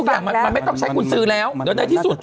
อย่างมันไม่ต้องใช้กุญซื้อแล้วเดี๋ยวในที่สุด